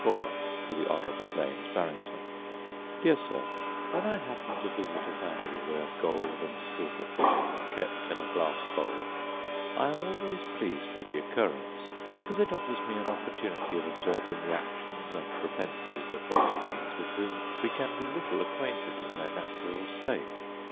Letter LIV To The Honourable Daines Barrington Dear Sir, When I happen to visit a family where gold and silver fishes are kept in a glass bowl, I am always pleased with the occurrence, because it offers me an opportunity of observing the actions and propensities of those beings with whom we can be little acquainted in their natural state.